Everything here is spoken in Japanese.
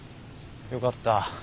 よかった。